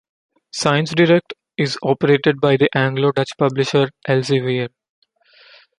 ScienceDirect is operated by the Anglo-Dutch publisher Elsevier.